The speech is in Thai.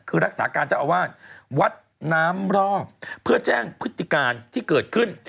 คือรักษาการเจ้าอาวาสวัดน้ำรอบเพื่อแจ้งพฤติการที่เกิดขึ้น